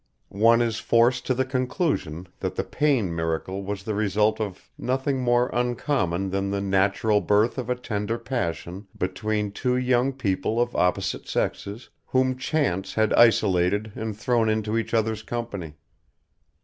One is forced to the conclusion that the Payne miracle was the result of nothing more uncommon than the natural birth of a tender passion between two young people of opposite sexes, whom chance had isolated and thrown into each other's company.